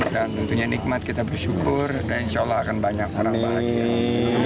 dan tentunya nikmat kita bersyukur dan insya allah akan banyak orang bahagia